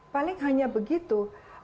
paling hanya begitu